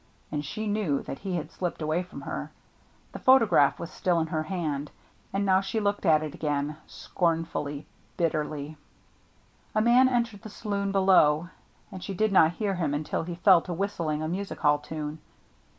And she knew that he had slipped away from her. The photograph 64 THE MERRT ANNE was still in her hand, and now she looked at it again, scornfully, bitterly. A man entered the saloon below, and she did not hear him until he fell to whistling a music hall tune.